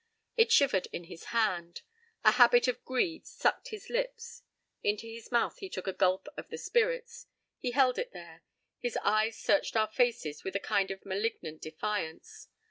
It shivered in his hand. A habit of greed sucked his lips. Into his mouth he took a gulp of the spirits. He held it there. His eyes searched our faces with a kind of malignant defiance.